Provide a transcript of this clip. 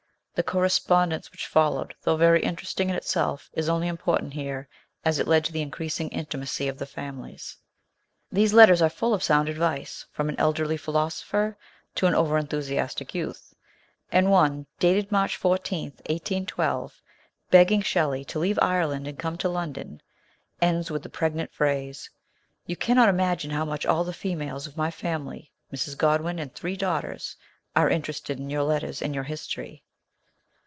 The correspondence which followed, though very interesting in itself, is only im portant here as it led to the increasing intimacy of the families. These letters are full of sound advice from an elderly philosopher to an over enthusiastic youth ; and one dated March 14, 1812, begging Shelley to leave Ireland and come to London, ends with the pregnant phrase, " You cannot imagine how much all the females of my family, Mrs. Godwin and three daughters, are interested in your letters and your history."